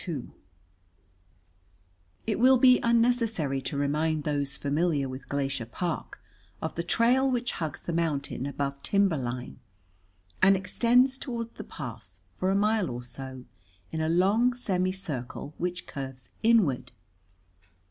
II It will be unnecessary to remind those familiar with Glacier Park of the trail which hugs the mountain above timber line, and extends toward the pass for a mile or so, in a long semicircle which curves inward.